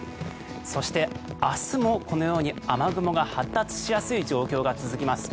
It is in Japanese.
そして、明日もこのように雨雲が発達しやすい状況が続きます。